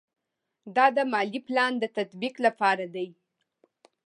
دا د مالي پلان د تطبیق لپاره دی.